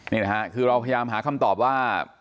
นี่นะฮะคือเราพยายามหาคำตอบว่า